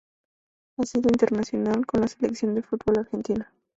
Ha sido internacional con la Selección de fútbol de Argentina.